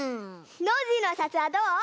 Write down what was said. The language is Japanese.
ノージーのおさつはどう？